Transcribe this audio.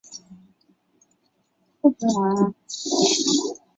首府位于白山市。